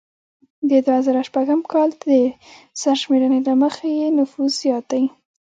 د دوه زره شپږم کال د سرشمیرنې له مخې یې نفوس زیات دی